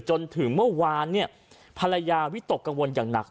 จนถึงเมื่อวานเนี่ยภรรยาวิตกกังวลอย่างหนัก